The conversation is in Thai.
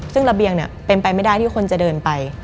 ซึ่งระเบียงเนี่ยเป็นไปไม่ได้ที่คนจะเดินไป